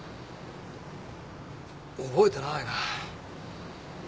覚えてないな。